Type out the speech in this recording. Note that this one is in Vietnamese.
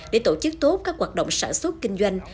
để tổ chức tốt các hoạt động sản xuất kinh doanh